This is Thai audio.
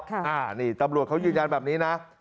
อันนี้ตำรวจเขายืนยันแบบนี้นะ